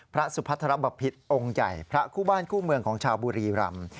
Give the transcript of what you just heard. พระสุพัทรบพิษองค์ใหญ่พระคู่บ้านคู่เมืองของชาวบุรีรำ